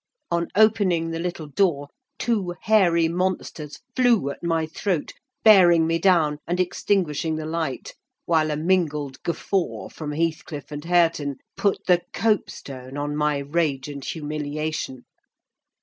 On opening the little door, two hairy monsters flew at my throat, bearing me down, and extinguishing the light; while a mingled guffaw from Heathcliff and Hareton put the copestone on my rage and humiliation.